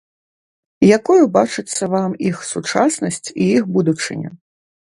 Якою бачыцца вам іх сучаснасць і іх будучыня?